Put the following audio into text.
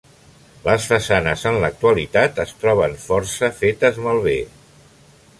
Les façanes en l'actualitat es troben força fetes malbé.